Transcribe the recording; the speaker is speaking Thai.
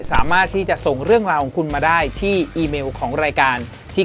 สามารถที่จะส่งเรื่องราวของคุณมาได้ที่อีเมลของรายการที่